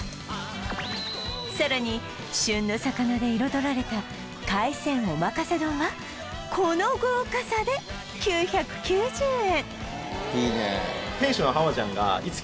さらに旬の魚で彩られた海鮮おまかせ丼はこの豪華さで９９０円